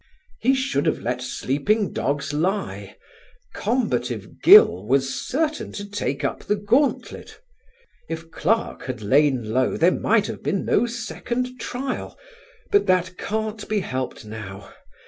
He should have let sleeping dogs lie. Combative Gill was certain to take up the gauntlet. If Clarke had lain low there might have been no second trial. But that can't be helped now.